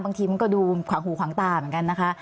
บางทีมันก็ดูขวางหูขวางตาเหมือนกันนะคะ